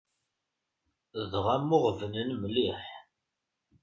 Dɣa mmuɣebnen mliḥ.